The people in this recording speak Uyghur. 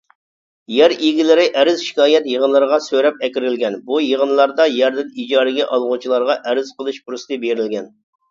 يەر ئىگىلىرى ئەرز-شىكايەت يىغىنلىرىغا سۆرەپ ئەكىرىلگەن، بۇ يىغىنلاردا يەردىن ئىجارىگە ئالغۇچىلارغا ئەرز قىلىش پۇرسىتى بېرىلگەن.